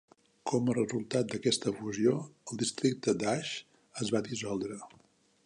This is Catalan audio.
Com a resultat d"aquesta fusió, el districte d'Age es va dissoldre.